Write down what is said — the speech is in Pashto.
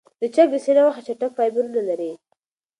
د چرګ د سینې غوښه چټک فایبرونه لري.